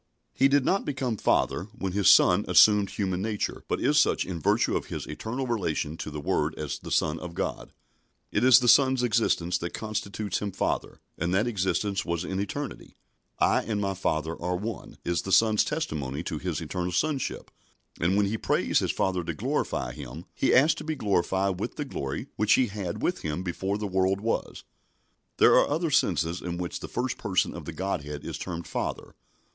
He did not become Father when His Son assumed human nature, but is such in virtue of His eternal relation to the Word as the Son of God. It is the Son's existence that constitutes Him Father; and that existence was in eternity. "I and my Father are one," is the Son's testimony to His eternal Sonship; and when He prays His Father to glorify Him, He asks to be glorified with the glory which He had with Him before the world was. There are other senses in which the first Person of the Godhead is termed Father.